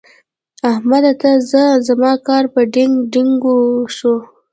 احمده! ته ځه؛ زما کار په ډينګ ډينګو شو.